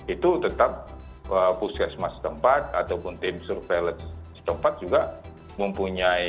itu tetap puskesmas tempat ataupun tim surveillance tempat juga mempunyai